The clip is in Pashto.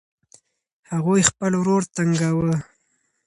هغوی خپل ورور تنګاوه.